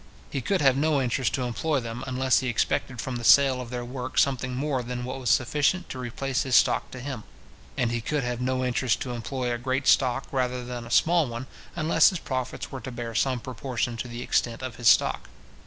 He could have no interest to employ them, unless he expected from the sale of their work something more than what was sufficient to replace his stock to him; and he could have no interest to employ a great stock rather than a small one, unless his profits were to bear some proportion to the extent of his stock.